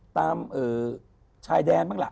ตามชายแดนบ้างล่ะ